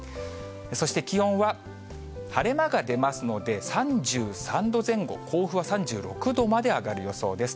そして気温は、晴れ間が出ますので、３３度前後、甲府は３６度まで上がる予想です。